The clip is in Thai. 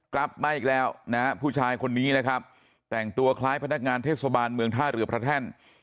กลับมาอีกแล้วนะฮะผู้ชายคนนี้นะครับแต่งตัวคล้ายพนักงานเทศบาลเมืองท่าเรือพระแท่น